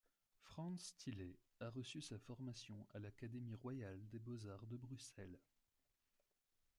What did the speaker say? Franz Tilley a reçu sa formation à l'Académie royale des beaux-arts de Bruxelles.